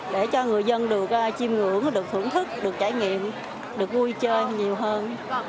để cho người dân được chiêm ngưỡng được thưởng thức được trải nghiệm được vui chơi nhiều hơn